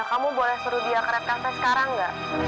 kamu boleh suruh dia ke red cafe sekarang nggak